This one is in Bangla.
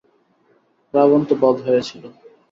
রাবণ তো বধ হয়েছিল।